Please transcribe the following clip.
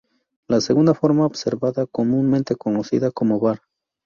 La segunda forma observada, comúnmente conocida como var.